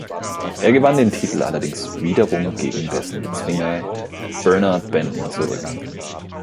Er gewann den Titel allerdings wiederum gegen dessen Bezwinger Bernard Benton zurück.